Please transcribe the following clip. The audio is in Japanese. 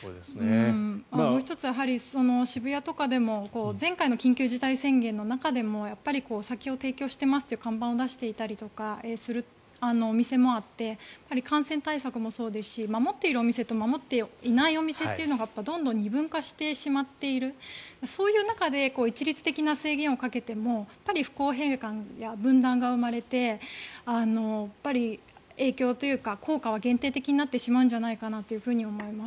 もう１つは、渋谷とかでも前回の緊急事態宣言の中でもお酒を提供していますという看板を出しているお店もあって感染対策もそうですし守っているお店と守っていないお店というのがどんどん二分化してしまっているそういう中で一律的な制限をかけても不公平感や分断が生まれて影響というか、効果は限定的になってしまうんじゃないかなと思います。